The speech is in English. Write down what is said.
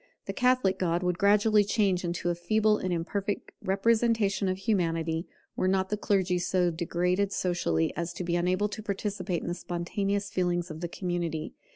The Catholic God would gradually change into a feeble and imperfect representation of Humanity, were not the clergy so degraded socially as to be unable to participate in the spontaneous feelings of the community.